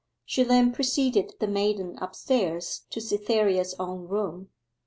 She then preceded the maiden upstairs to Cytherea's own room.